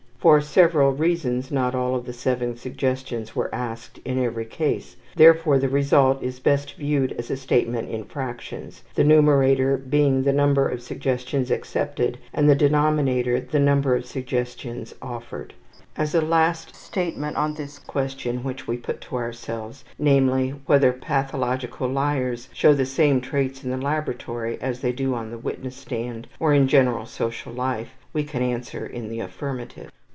For several reasons not all of the 7 suggestions were asked in every case, therefore the result is best viewed as a statement in fractions the numerator being the number of suggestions accepted and the denominator the number of suggestions offered. As a last statement on this question which we put to ourselves, namely, whether pathological liars show the same traits in the laboratory as they do on the witness stand or in general social life, we can answer in the affirmative.